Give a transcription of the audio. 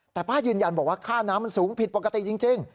แต่ป้ายืนยันบอกว่าค่าน้ำมันสูงผิดปกติจริง